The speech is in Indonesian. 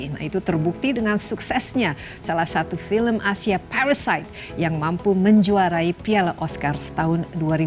nah itu terbukti dengan suksesnya salah satu film asia parasite yang mampu menjuarai piala oscars tahun dua ribu dua puluh